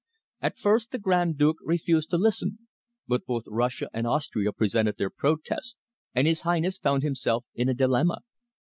At first the Grand Duke refused to listen, but both Russia and Austria presented their protests, and his Highness found himself in a dilemma.